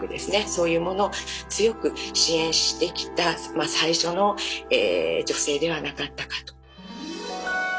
そういうものを強く支援してきた最初の女性ではなかったかと。